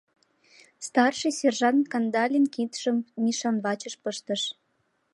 Старший сержант Кандалин кидшым Мишан вачыш пыштыш.